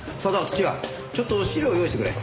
土屋ちょっと資料を用意してくれ。